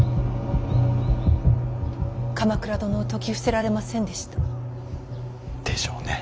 鎌倉殿を説き伏せられませんでした。でしょうね。